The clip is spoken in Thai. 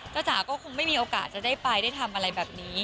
จ๋าก็คงไม่มีโอกาสจะได้ไปได้ทำอะไรแบบนี้